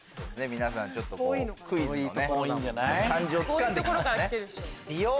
皆さんちょっとクイズの感じをつかんできましたね。